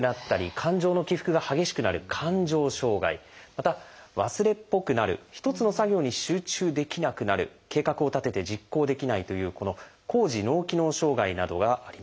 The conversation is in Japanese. また忘れっぽくなる一つの作業に集中できなくなる計画を立てて実行できないというこの「高次脳機能障害」などがあります。